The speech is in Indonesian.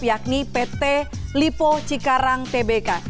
yakni pt lipo cikarang tbk